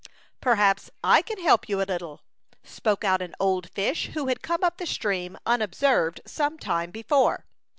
" Perhaps I can help you a little," spoke out an old fish who had come up the stream unobserved some time before.